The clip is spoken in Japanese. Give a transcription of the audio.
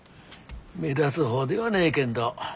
目立づ方ではねえけんど。